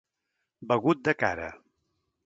Begut de cara.